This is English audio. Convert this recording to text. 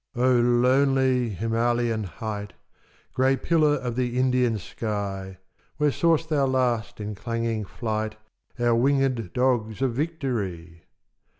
O lonely Himalayan height, Grey pillar of the Indian sky, Where saw'st thou last in clanging flight Our wingèd dogs of Victory?